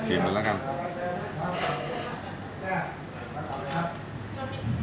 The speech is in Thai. ชิมหน่อยละกัน